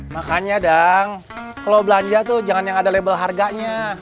makanya dong kalau belanja tuh jangan yang ada label harganya